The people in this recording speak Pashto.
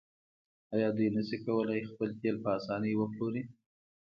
آیا دوی نشي کولی خپل تیل په اسانۍ وپلوري؟